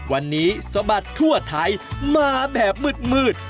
วันนี้สะบัดทั่วไทยมาแบบมืด